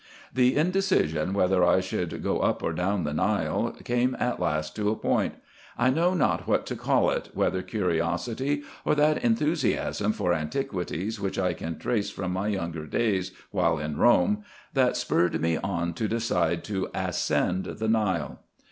The indecision, whether I should go up or down the Nile, came at last to a point. I know not what to call it, whether curiosity, or that enthusiasm for antiquities, which I can trace from my younger days while in Borne, that spurred me on to decide to ascend the Nile.